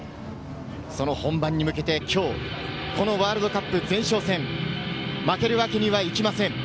その本番に向けてきょう、このワールドカップ前哨戦、負けるわけにはいきません。